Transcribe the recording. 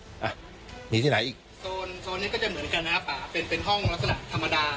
โซนนี่ก็จะเหมือนกันนะครับเป็นห้องลักษณะธรรมดา